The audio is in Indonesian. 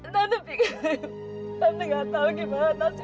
tante pikir tante gak tahu gimana nasib anak tante